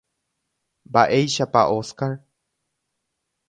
Mba'éichapa Óscar.